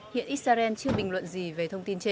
hiện israel chưa bình luận gì về thông tin trên